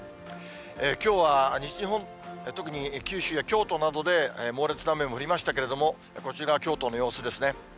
きょうは西日本、特に九州や京都などで、猛烈な雨も降りましたけれども、こちら、京都の様子ですね。